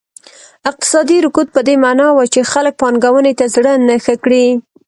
اقتصادي رکود په دې معنا و چې خلک پانګونې ته زړه نه ښه کړي.